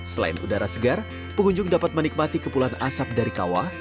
selain udara segar pengunjung dapat menikmati kepulan asap dari kawah